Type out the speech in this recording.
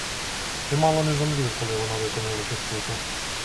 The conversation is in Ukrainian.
Ти мало не зомлів, коли вона викинула цю штуку.